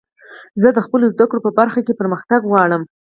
زه د خپلو زدکړو په برخه کښي پرمختګ غواړم.